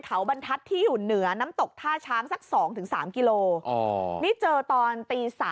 เขาบรรทัศน์ที่อยู่เหนือน้ำตกท่าช้างสัก๒๓กิโลนี่เจอตอนตี๓